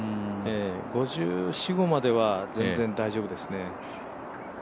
５４５５までは全然大丈夫ですね。